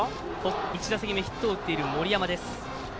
１打席目ヒットを打っている森山です。